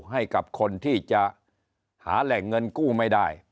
ให้กับคนที่จะหาแหล่งเงินกู้ไม่ได้